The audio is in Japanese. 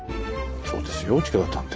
そうですよ近田探偵。